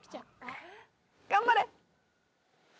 頑張れ！